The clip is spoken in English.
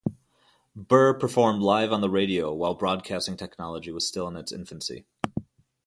Burr performed live on the radio while broadcasting technology was still in its infancy.